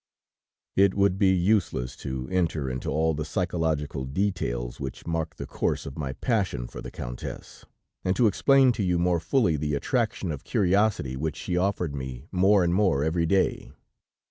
... "It would be useless to enter into all the Psychological details which marked the course of my passion for the Countess, and to explain to you more fully the attraction of curiosity which she offered me more and more every day.